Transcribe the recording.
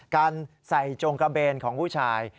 การใส่จงกระเบนของผู้ชาย